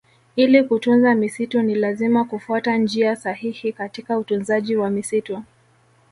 Ili kutunza misitu ni lazima kufuata njia sahihi katika utunzaji wa misitu